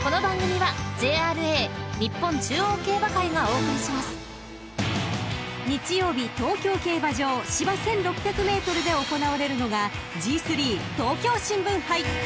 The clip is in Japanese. コリャ［日曜日東京競馬場芝１，６００ｍで行われるのがＧⅢ東京新聞杯］